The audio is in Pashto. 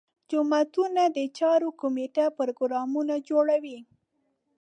جوماتونو د چارو کمیټه پروګرامونه جوړوي.